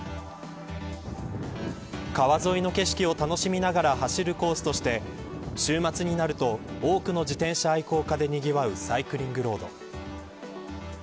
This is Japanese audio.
川沿いの景色を楽しみながら走るコースとして週末になると多くの自転車愛好家でにぎわうサイクリングロード。